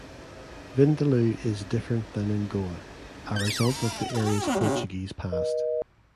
Vindaloo is different than in Goa (a result of the area’s Portuguese past).